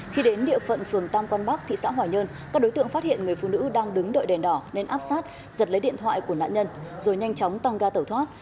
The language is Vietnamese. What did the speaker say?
khi đến địa phận phường tam quang bắc thị xã hòa nhơn các đối tượng phát hiện người phụ nữ đang đứng đợi đèn đỏ nên áp sát giật lấy điện thoại của nạn nhân rồi nhanh chóng tăng ga tẩu thoát